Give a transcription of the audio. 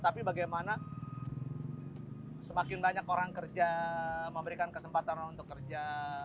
tapi bagaimana semakin banyak orang kerja memberikan kesempatan untuk kerja